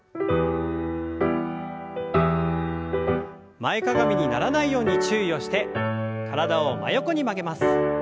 前かがみにならないように注意をして体を真横に曲げます。